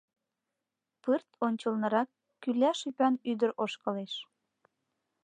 Пырт ончылнырак кӱляш ӱпан ӱдыр ошкылеш.